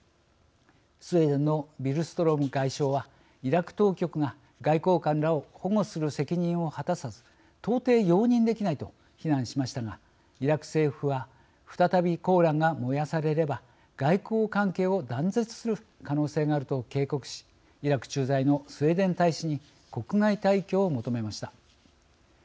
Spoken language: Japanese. スウェーデンのビルストロム外相はイラク当局が外交官らを保護する責任を果たさず到底容認できないと非難しましたがイラク政府は再びコーランが燃やされれば外交関係を断絶する可能性があると警告しイラク駐在のスウェーデン大使に国外退去を求めました。